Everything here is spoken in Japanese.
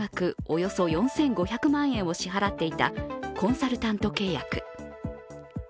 およそ４５００万円を支払っていたコンサルタント契約。